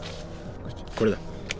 これだ！